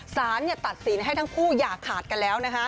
สารตัดสินให้ทั้งคู่อย่าขาดกันแล้ว